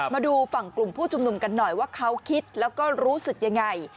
มาดูฝั่งกลุ่มผู้ชุมนุมกันหน่อยว่าเขาคิดแล้วก็รู้สึกยังไง